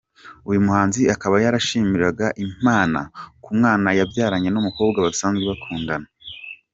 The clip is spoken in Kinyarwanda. Uyu muhanzi akaba yarashimiraga Imana ku mwana yabyaranye n’umukobwa basanzwe bakundana.